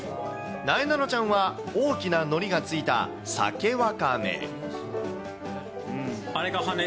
なえなのちゃんは、大きなのりがついたさけわかめ。